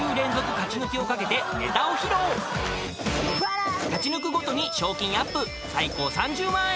［勝ち抜くごとに賞金アップ最高３０万円！］